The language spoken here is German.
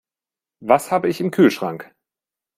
Was habe ich im Kühlschrank?